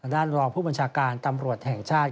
ด้านรองผู้บัญชาการตำรวจแห่งชาติ